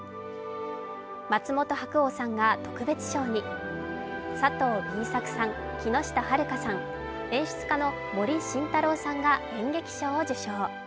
松本白鸚さんが特別賞に、佐藤Ｂ作さん、木下晴香さん、演出家の森新太郎さんが演劇賞を受賞。